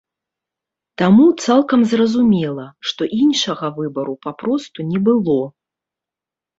Таму цалкам зразумела, што іншага выбару папросту не было.